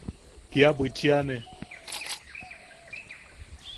¡Kia bwichiane!